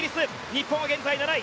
日本は現在７位。